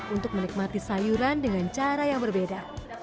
untuk menikmati sayuran dengan cara yang berbeda